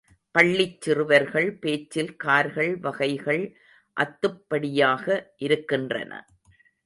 பள்ளிச் சிறுவர்கள் பேச்சில் கார்கள் வகைகள் அத்துப்படியாக இருக்கின்றன.